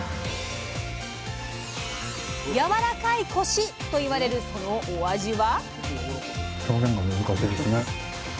「やわらかいコシ」と言われるそのお味は。